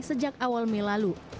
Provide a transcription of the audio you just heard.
sejak awal mei lalu